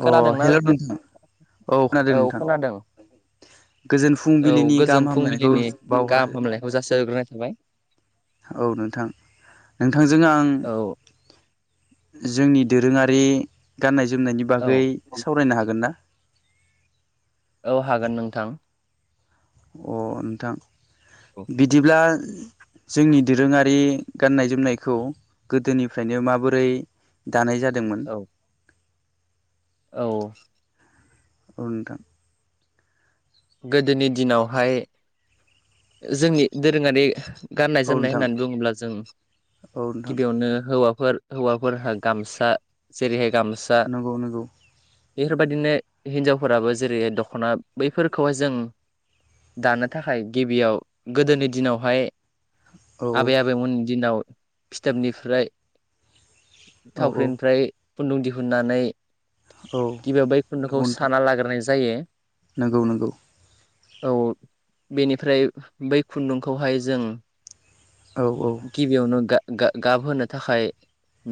अ खोनादोंना हेल आं? नोंथां औ खोनादों नोंथां। गोजोन औ फुंबिलिनि गाहाम गोजोन हामलायनायखौ फुंबिलिनि बावहरो गाहाम हामलायखौ जाासि हरग्रोनाय थाबाय। औ नोंथां नोंथांजों आं औ जोंनि दोरोङारि गाननाय जोमनायनि बागै औ सावरायनो हागोन ना? औ हागोन नोंथां। अ नोंथां औ बिदिब्ला जोंनि दोरोङारि गाननाय जोमनायखौ गोदोनिफ्रायनो माबोरै दानाय जादोंमोन औ औ नोंथां गोदोनि दिनावहाय जोंनि दोरोङारि गाननाय औ जोमनाय नोंथां होननानै बुङोब्ला जों औ नोंथां गिबियावनो हौवा फोर हौवाफोरहा गामसा जेरैहाय गामसा नंगौ नंगौ। बेफोरबायदिनो हिनजावफोराबो जेरै दखना बै फोरखौहाय जों दानो थाखाय गिबियाव गोदोनि दिनावहाय औ आबै आबैमोननि दिनाव फिथोबनिफ्राय औ औ थावख्रिनिफ्राय खुन्दुं दिहुननानै गिबियाव बै खुन्दुखौ नंगौ नोंथां साना लाग्रोनाय जायो। नंगौ नंगौ। औ बेनिफ्राय बै खुन्दुंखौहाय जों औ औ गिबियावनो गा-गा-गाबहोनो थाखाय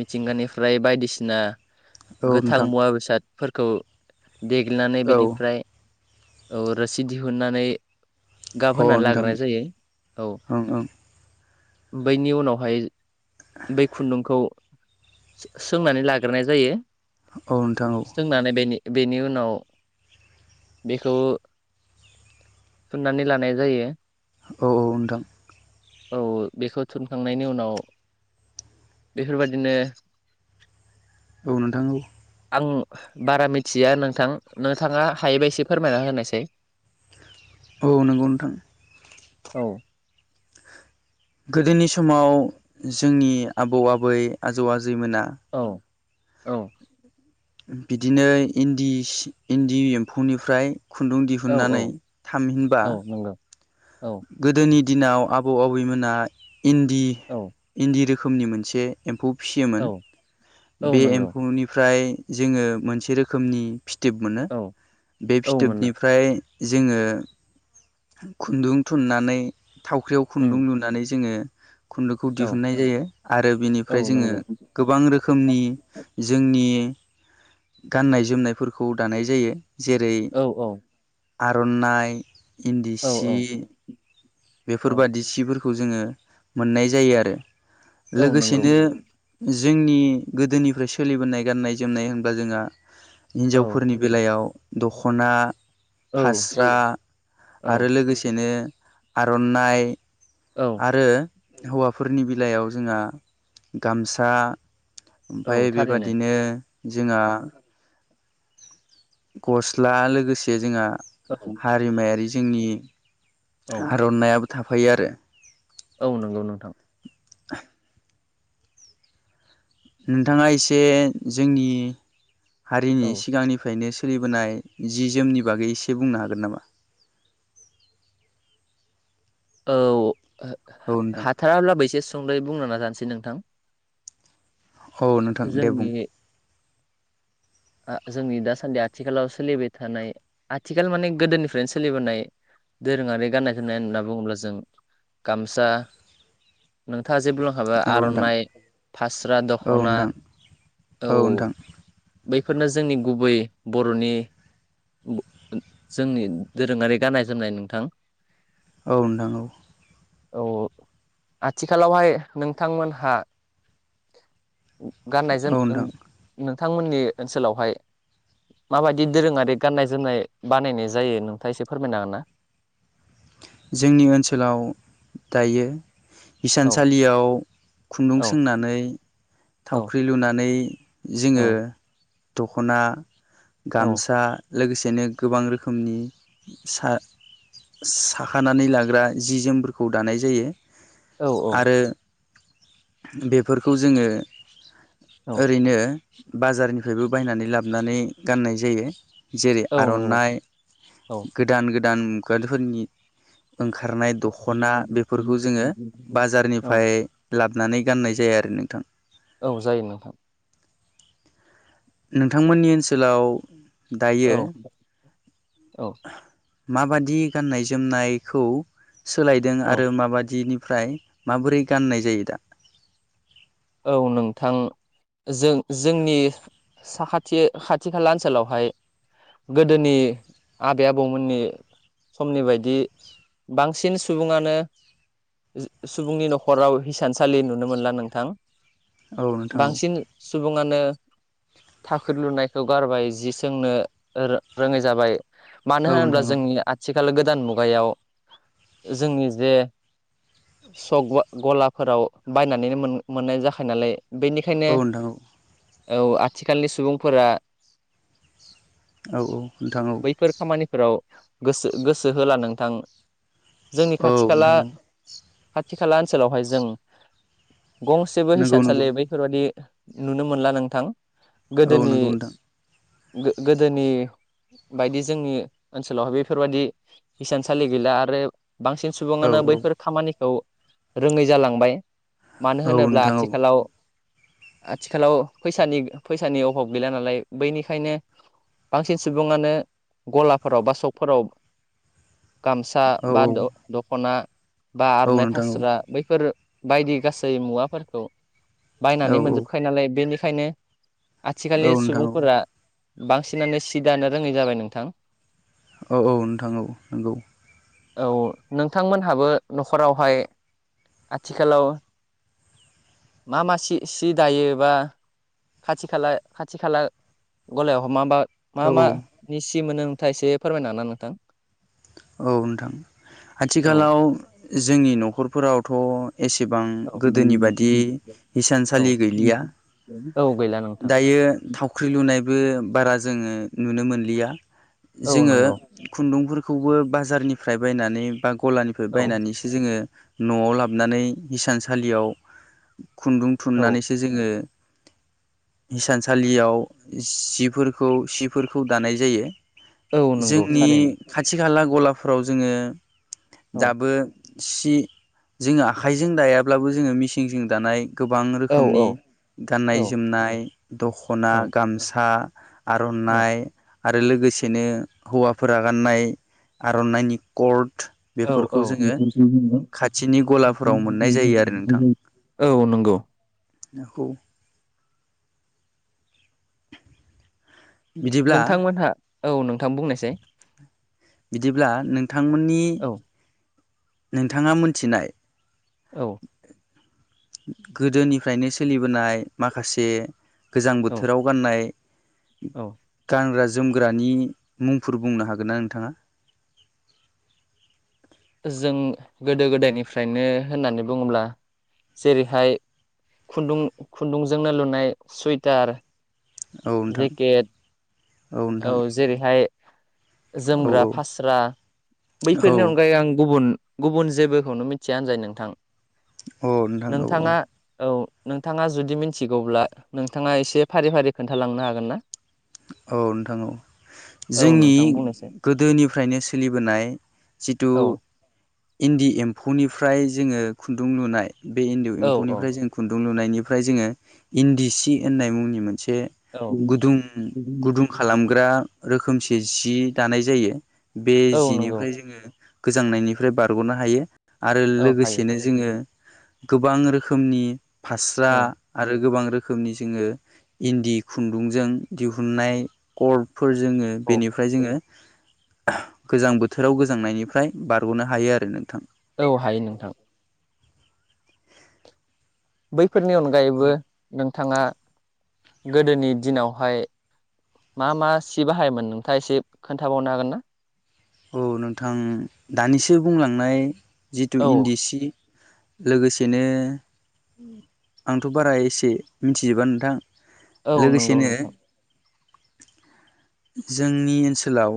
मिथिंगानिफ्राय बायदिसिना औ गोथां नोंथां मुवा बेसादफोरखौ देग्लिनानै औ बेनिफ्राय औ रोसि दिहुनानै गाब अ होनानै नोंथां लाग्रोनाय जायो औ ओं ओं बैनि उनावहाय बै खुन्दुंखौ सो-सोंनानै लाग्रोनाय जायो औ नोंथां औ सोंनानै बेनि बेनि उनाव बेखौ थुननानै लानाय जायो। औ औ नोंथां। औ। बेखौ थुनखांनायनि उनाव बेफोरबादिनो औ नोंथां औ आं बारा मिथिया नोंथां नोंथाङा हायोबा एसे फोरमायना होनायसाय औ नोंगौ नोंथां औ गोदोनि समाव जोंनि आबौ आबै आजौ आजैमोना औ औ बिदिनो इन्दि सि इन्दि एम्फौनिफ्राय खुन्दुं औ दिहुननानै थामहिनबा औ नंगौ औ गोदोनि दिनाव आबौ आबैमोना इन्दि औ इन्दि रो खोमनि मोनसे एम्फौ फिसियोमोन औ औ बे नंगौ एम्फौनिफ्राय जोङो मोनसे रोखोमनि फिथोब मोनो औ बे औ मोनो फिथोबनिफ्राय जोङो खुन्दुं थुननानै थावख्रियाव उम खुन्दुं लुनानै जोङो खुन्दुंखौ औ दिहुननाय जायो आरो औ बिनिफ्राय जोङो नंगौ गोबां रोखोमनि जोंनि गाननाय जोमनायफोरखौ दानाय जायो जेरै औ आर'ननाइ इन्दि औ सि औ औ बेफोरबादि सिफोरखौ जोङो मोननाय जायो आरो औ नंगौ लोगोसेनो जोंनि गोदोनिफ्राय सोलिबोनाय गाननाय जोमनाय होनब्ला जोंङा औ हिनजावफोरनि बेलायाव दख'ना औ फास्रा औ आरो लोगोसेनो आर'ननाइ औ आरो हौवाफोरनि बिलायाव जोंहा गामसा ओमफाय औ थारैनो बेबादिनो जोंङा गस्ला लोगोसे जोंङा औ हारिमायारि जोंनि औ आर'नायाबो थाफायो आरो औ नंगौ नोंथां [unintelligible] नोंथाङा इसे जोंनि औ हारिनि सिगांनिफ्रायनो सो सोलिबोनाय जि जोमनि बागै इसे बुंनो हागोन नामा औ औ नोंथां हाथाराब्लाबो एसे सुंद'यै बुंनो नाजानोसै नोंथां ह नोंथां दे बुं जोंनि आ जोंनि दासान्दि आथिखालाव सोलिबाय थानाय आथिखाल माने गोदोनिफ्रायनो सोलिबोनाय दोरोङारि गाननाय जोमनाय होनना बुङोब्ला जों गामसा नोंथाङा ज जे बुंलांखाबाय औ नोंथां आर'ननाइ फास्रा औ दख'ना नोंथां औ बैफोरनो जोंनि गुबै बर'नि ब-ओ जोंनि दोरोङारि गाननाय जोमनाय नोंथां औ नोंथां औ औ-अ आथिखालावहाय नोंथांमोनहा गाननाय जोम औ ओन नोंथां नोंथांमोननि ओनसोलावहाय माबायदि दोरोङारि गाननाय जोमनाय बानायनाय जायो नोंथाङा इसे फोरमायनो हागोनना जोंनि ओनसोलाव दायो औ हिसानसालियाव खुन्दुं औ सोंनानै औ थावख्रि लुनानै जोङो दख'ना औ गामसा लोगोसेनो गोबां रोखोमनि सा साखानानै लाग्रा जि जोमफोरखौ दानाय जायो औ औ आरो बेफोरखौ जोङो औ ओरैनो बाजारनिफ्रायबो बायनानै लाबनानै गाननाय जायो जेरै औ नंगौ आर'ननाइ औ गोदान गोदान मुगादफोरनि ओंखारनाय दख'ना बेफोरखौ जोङो औ बाजारनिफाय लाबनानै गाननाय जाया आरो नोंथां औ जायो नोंथां। नोंथांमोननि ओनसोलाव। दायो औ औ। माबादि गाननाय जोमनायखौ सोलायदों औ आरो माबादि नि। फ्राय माबोरै गाननाय जायो दा। औ नोंथां। जों जोंनि साखाथि खाथि खाला ओनसोलावहाय। गोदोनि आबै आबौमोननि। समनि बायदि बांसिन सुबुंङानो जि सुबुंनि न'खराव हिसानसालि नुनो मोनला नोंथां। औ नोंथां औ बांसिन सु बुंङानो थाखोद लुनायखौ गारबाय जि सोंनो रो रोङै जाबाय। मानो औ होनोब्ला नोंथां औ जोंनि आथिखाल गोदान मुगायाव जोंनि जे सग गवा गलाफोराव बायनानैनो मोन मोननाय जाखायो नालाय बैनिखायनो। औ नोंथां औ आथिखालनि सुबुंफोरा। औ बैफोर खामानिफोराव गोसो गोसो होला नोंथां। जोंनि औ खाथि खाला। नोंथां खाथि खाला ओनसोलावहाय जों गंसेबो औ नोंथां औ नंगौ हिसानसालि बैफोरबादि। नुनो मोनला नोंथां। औ नोंगौ नोंथां। गो-गोदोनि। बायदि जोंनि ओनसोलावहाय बैफोरबादि हिसानसालि गैला आरो बांसिन औ सुबुंङानो औ बैफोर खामानिखौ रोंङै जालांबाय। मानो औ होनोब्ला नोंथां औ आथिखालाव। आथिखालाव फैसानि फैसानि अभाब गैला नालाय बैनिखायनो। बांसिन सुबुंङानो गलाफोराव बा सकफोराव। गामसा औ बा द-दख'ना बा औ आर'नाइ नोंथां औ नोंथां औ फास्रा बैफोर बायदि गासै। जोरै मुवाफोरखौ बायनानै मोनजोबखायो नालाय बेनिखायनो। आथिखालनि औ नोंथां सुबुंफोरा बांसिनानो सि दानो रोंङै जाबाय नोंथां। औ औ नोंथां औ नोंगौ। औ नोंथांमोनहाबो न'खरावहाय आथिखालाव। मा मा सि सि दायोबा एबा खाथि खालाओ खाथि खालाओ गलायावहा माबा मा औ मा नि सि मोनो नोंथांङा एसे फोरमायना हागोनना नोंथां। औ नोंथां औ आथिखालाव जोंनि न'खरफोरावथ' एसेबां गोदोनि बादि औ हिसानसालि गैलिया औ गैला नोंथां दायो बे थावख्रि लुनायबो बारा जोंङो नुनो मोनलिया औ जोंङो नंगौ खुन्दुंफोरखौबो बाजारनिफ्राय बायनानै बा गलानिफाय औ बायनानैसो जोंङो न'आव लाबोनानै हिसान सालियाव खुन्दुं औ थुननानैसो जोंङो हिसान सालियाव जिफोरखौ सिफोरखौ दानाय जायो। औ नोंगौ जोंनि थारैनो। खाथि खाला गलाफ्राव जोंङो औ दाबो सि जोंङो आखाइजों दायाब्लाबो जोंङो मिसिंजों दानाय गोबां औ औ रोखोमनि औ गाननाय जोमनाय दख'ना गामसा औ आरननाइ आरो लोगोसेनो हौवाफोरा गाननाय आर'नाइनि कर्ड थु औ बेफोरखौ जोंङो खाथिनि गलाफोराव मोननाय जायो आरो नोंथां। औ नोंगौ। नोंगौ बिदिब्ला नोंथांमोनहा औ नोंथां बुंनायसाय? बिदिब्ला नोंथांमोननि औ नोंथांङा मोनथिनाय औ गोदोनिफ्रायनो सोलिबोनाय माखासे गोजां औ बोथोराव गाननाय औ गानग्रा जोमग्रानि मुंफोर बुंनो हागोन ना नोंथाङा? जों गोदो गोदायनिफ्रायनो होननानै बुंङोब्ला जेरैहाय खुन्दुं खुन्दुंजोंनो लुनाय सुइटार औ नोंथां जेकेद औ जेरैहाय औ जोमग्रा फास्रा औ बैफोरनि अनगायै आं गुबुन गुबुन जेबोखौनो मिथिया होनजायो नोंथां औ नोंथां औ औ नोंथाङा औ। नोंथाङा जुदि मिनथिगौब्ला नोंथाङा एसे फारि फारि खोन्थालांनो हागोन ना? औ नोंथां औ। औ जोंनि नोंथां बुंनोसै गोदोनिफ्रायनो सोलिबोनाय जितु औ इन्दि एम्फौनिफ्राय जोङो खुन्दुं लुनाय बे इन्दि औ एम्फौनिफ्राय औ जों खुुन दुं लुनायनिफ्राय जोङो इन्दि सि होननाय मुंनि मोनसे औ गुदुं गुदुं खालामग्रा रोखोमसे सि दानाय जायो। बे औ नंगौ जिनिफ्राय जोङो गोजांनायनिफ्राय बारग'नो हायो। आरो औ हायो लोगोसेनो जोङो गोबां रोखोमनि फास्रा औ आरो गोबां रोखोमनि जोङो इन्दि खुन्दुंजों दिहु हुननाय कर्डफोर जोङो औ बेनिफ्राय जोङो गोजां बोथोराव गोजांनायनिफ्राय बारग'नो हायो आरो नोंथां। औ हायो नोंथां। बैफोरनि अनगायैबो औ नोंथाङा गोदोनि दिनावहाय मा मा सि बाहायोमोन नोंथाङा एसे खोन्थाबावनो हागोन ना? औ नोंथां दानिसो बुंलांनाय जितु औ इन्दि सि लोगोसेनो आंथ' बारा एसे मिथिजोबा नोंथां औ नंगौ लोगोसेनो नोंथां। जोंनि ओनसोलाव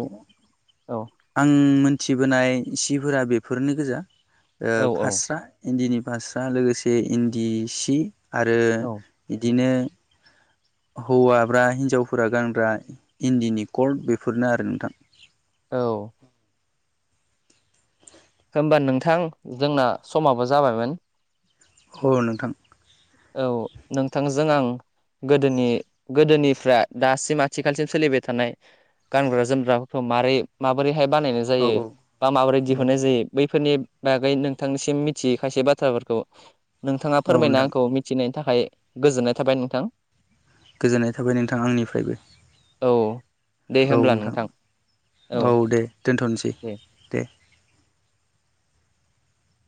औ आं मोन थिबोनाय सिफोरा बेफोरनो गोजा ओ औ औ फास्रा इन्दिनि फास्रा लोगोसे इन्दि सि आरो औ इदिनो हौवाब्रा हिन्जावफोरा गानग्रा इन्दिनि कर्ड बेफोरनो आरो नोंथां। औ होमबा नोंथां जोंना समाबो जाबायमोन। ह' नोंथां। औ नोंथांजों आं गोदोनि गोदोनिफ्रा दासिम आथिखालसिम सोलिबाय थानाय गानग्रा जोमग्राफोर [unintelligible] मारै माबोरैहाय बानायनाय औ जायो बा माबोरै औ दिहुननाय जायो बै फोरनि बागै नोंथांनिसिम मिथियै खायसे बाथ्राफोरखौ नोंथाङा औ फोरमायना नोंथां आंखौ मि नि थाखाय गोजोननाय थाबाय नोंथां। गोजोननाय थाबाय नोंथां आंनिफ्रायबो। औ औ। औ नोंथां औ दे दोनथ'नोसै दे।